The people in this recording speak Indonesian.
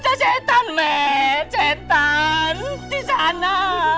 ada cetan me cetan di sana